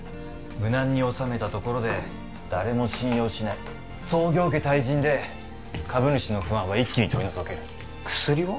無難に収めたところで誰も信用しない創業家退陣で株主の不安は一気に取り除ける薬は？